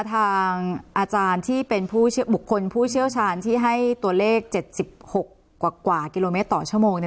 ทางอาจารย์ที่เป็นบุคคลผู้เชี่ยวชาญที่ให้ตัวเลข๗๖กว่ากิโลเมตรต่อชั่วโมง